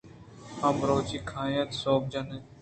آ مرچی کاینت ءُ سوت جن اَنت ۔